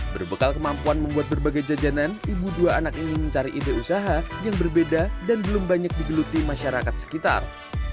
berbekal kemampuan membuat berbagai jajanan ibu dua anak ini mencari ide usaha yang berbeda dan belum banyak digeluti masyarakat sekitar